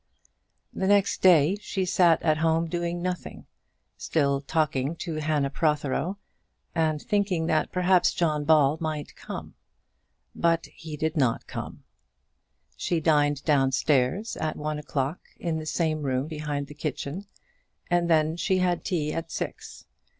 The next day she sat at home doing nothing, still talking to Hannah Protheroe, and thinking that perhaps John Ball might come. But he did not come. She dined downstairs, at one o'clock, in the same room behind the kitchen, and then she had tea at six.